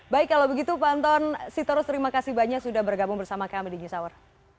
baik kalau begitu pak anton sitorus terima kasih banyak sudah bergabung bersama kami di news hour